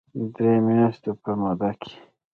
د درې مياشتو په موده کې